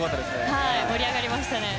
盛り上がりましたね。